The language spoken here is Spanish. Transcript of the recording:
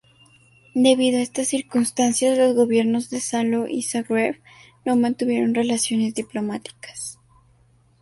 Debido a estas circunstancias, los gobiernos de Saló y Zagreb no mantuvieron relaciones diplomáticas.